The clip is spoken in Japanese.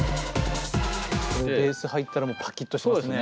ベース入ったらもうパキッとしますね。